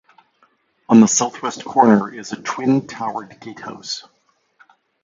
On the southeast corner is a twin-towered gatehouse.